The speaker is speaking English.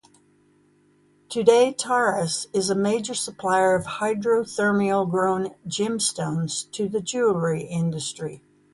Today Tairus is a major supplier of hydrothermally grown gemstones to the jewellery industry.